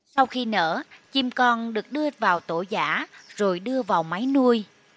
sau khi nở chim con được đưa vào tổ giả rồi đưa vào máy nuôi